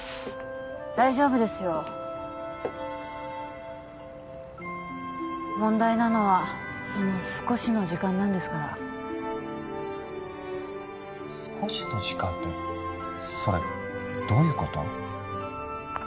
大丈夫ですよ問題なのはその少しの時間なんですから少しの時間ってそれどういうこと？